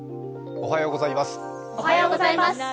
おはようございます。